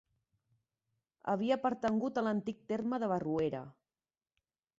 Havia pertangut a l'antic terme de Barruera.